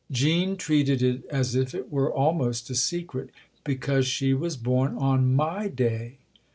Jean treated it as if it were almost a secret. " Because she was born on my day."